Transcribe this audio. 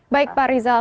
baik pak rizal